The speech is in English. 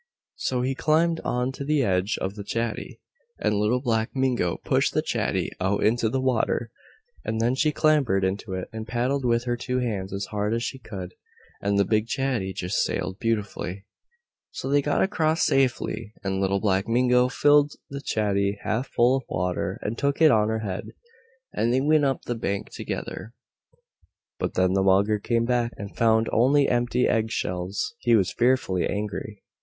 So he climbed on to the edge of the chatty, and Little Black Mingo pushed the chatty out into the water, and then she clambered into it and paddled with her two hands as hard as she could, and the big chatty just sailed beautifully. So they got across safely, and Little Black Mingo filled the chatty half full of water and took it on her head, and they went up the bank together. But when the Mugger came back, and found only empty egg shells he was fearfully angry.